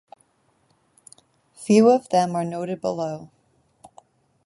Few of them are noted below.